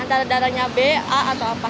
antara darahnya b a atau apa